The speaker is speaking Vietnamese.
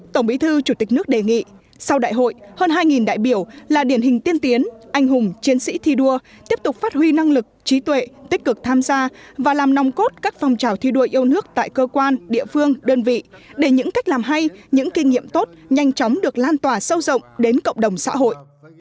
tổng bí thư chủ tịch nước đề nghị sau đại hội hơn hai đại biểu là điển hình tiên tiến anh hùng chiến sĩ thi đua tiếp tục phát huy năng lực trí tuệ tích cực tham gia và làm nòng cốt các phong trào thi đua yêu nước tại cơ quan địa phương đơn vị để những cách làm hay những kinh nghiệm tốt nhanh chóng được lan tỏa sâu rộng đến cộng đồng xã hội